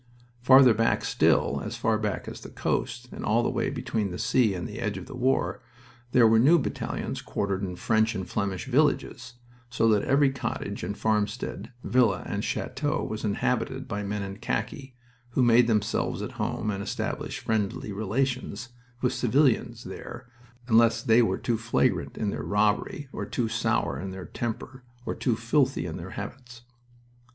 Farther back still, as far back as the coast, and all the way between the sea and the edge of war, there were new battalions quartered in French and Flemish villages, so that every cottage and farmstead, villa, and chateau was inhabited by men in khaki, who made themselves at home and established friendly relations with civilians there unless they were too flagrant in their robbery, or too sour in their temper, or too filthy in their habits.